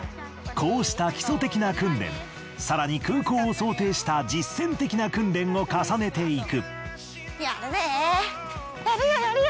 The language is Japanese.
こうした基礎的な訓練更に空港を想定した実践的な訓練を重ねていく。